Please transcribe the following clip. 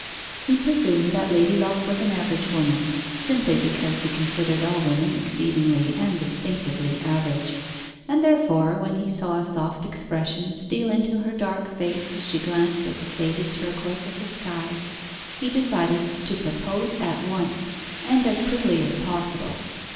He presumed that Lady Locke was an average woman, simply because he considered all women exceedingly and distinctively average; and therefore, when he saw a soft expression steal into her dark face as she glanced at the faded turquoise of the sky, he decided to propose at once, and as prettily as possible.